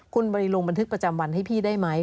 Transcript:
คุณบริลงบันทึกประจำวันให้พี่ได้ไหม